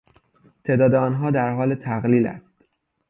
تعداد آنها در حال تقلیل است.